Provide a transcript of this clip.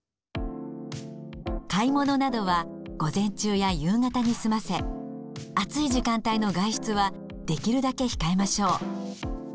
買い物などは午前中や夕方に済ませ暑い時間帯の外出はできるだけ控えましょう。